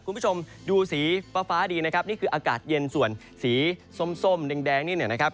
คุณผู้ชมดูสีฟ้าฟ้าดีนะครับนี่คืออากาศเย็นส่วนสีส้มแดงนี่เนี่ยนะครับ